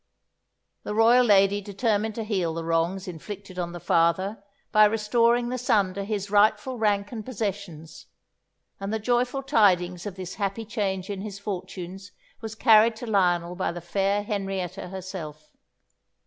The royal lady determined to heal the wrongs inflicted on the father by restoring the son to his rightful rank and possessions; and the joyful tidings of this happy change in his fortunes was carried to Lionel by the fair Henrietta herself.